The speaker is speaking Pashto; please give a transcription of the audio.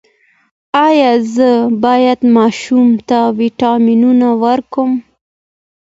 ایا زه باید ماشوم ته ویټامینونه ورکړم؟